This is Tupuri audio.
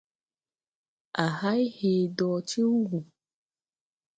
A hay hee dɔɔ ti wùu.